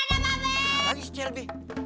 ada lagi selby